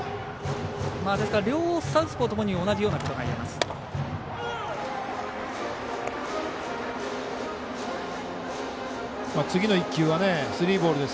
ですから両サウスポーともに同じような感じです。